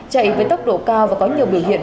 chạy với tốc độ cao và có nhiều biểu hiện